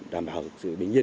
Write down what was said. đảm bảo sự bình yên